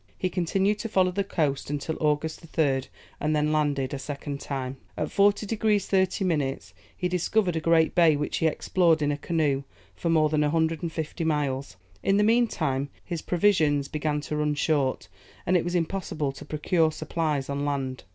He continued to follow the coast until August 3rd, and then landed a second time. At 40 degrees 30 minutes, he discovered a great bay which he explored in a canoe for more than 150 miles. In the meantime, his provisions began to run short, and it was impossible to procure supplies on land.